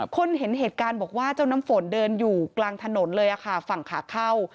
คนเห็นเหตุการณ์บอกว่าเจ้าน้ำฝนเดินอยู่กลางถนนเลยค่ะฝั่งขาเข้า